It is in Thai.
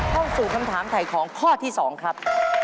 เข้าสู่คำถามถ่ายของข้อที่๒ครับ